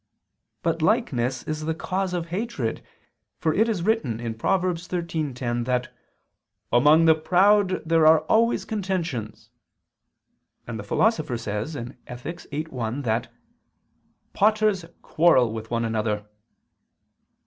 But likeness is the cause of hatred; for it is written (Prov. 13:10) that "among the proud there are always contentions"; and the Philosopher says (Ethic. viii, 1) that "potters quarrel with one another."